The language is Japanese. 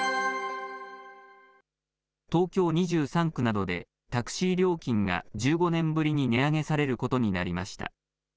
東京２３区などでタクシー料金が１５年ぶりに値上げされることになりました。